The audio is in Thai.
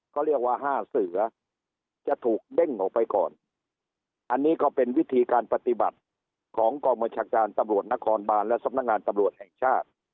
เขาเรียกว่าห้าเสือจะถูกเด้งออกไปก่อนอันนี้ก็เป็นวิธีการปฏิบัติของกองบัญชาการตำรวจนครบานและสำนักงานตำรวจแห่งชาติ